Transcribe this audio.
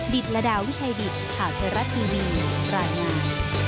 ดิตละดาววิชัยดิตขาวเทอรัตน์ทีวีรายงาน